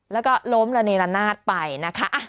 แล้วก็ล้มระเนรนาศไปนะคะ